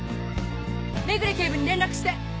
目暮警部に連絡して！